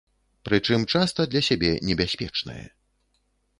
Прычым, часта для сябе небяспечнае.